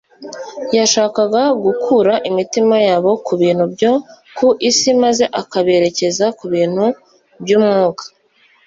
Yashakaga gukura imitima yabo ku bintu byo ku isi maze akaberekeza ku bintu by'umwuka.